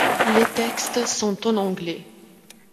Les textes sont en anglais.